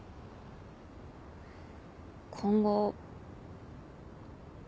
今後。